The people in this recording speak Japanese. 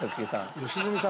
良純さん